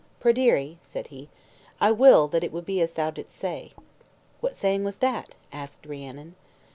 "Pryderi," said he, "I will that it be as thou didst say." "What saying was that?" asked Rhiannon.